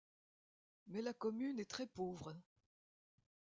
Mais la commune est très pauvre.